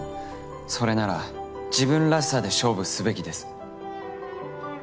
それなら自分らしさで勝負すべきです。